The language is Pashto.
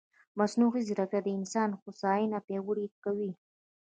مصنوعي ځیرکتیا د انسان هوساینه پیاوړې کوي.